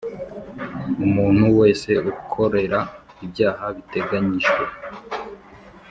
Umuntu wese ukorera ibyaha biteganyijwe